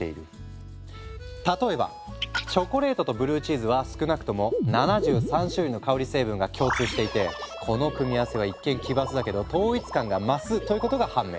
例えばチョコレートとブルーチーズは少なくとも７３種類の香り成分が共通していてこの組み合わせは一見奇抜だけど統一感が増すということが判明。